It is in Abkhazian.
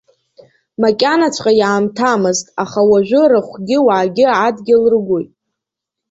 Макьанаҵәҟьа иаамҭамызт, аха уажәы рахәгьы уаагьы адгьыл рыгәоит.